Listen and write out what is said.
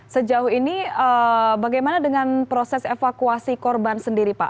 sejauh ini bagaimana dengan proses evakuasi korban sendiri pak